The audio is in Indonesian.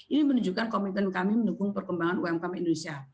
ini menunjukkan komitmen kami mendukung perkembangan umkm indonesia